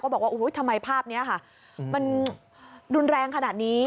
บอกว่าทำไมภาพนี้ค่ะมันรุนแรงขนาดนี้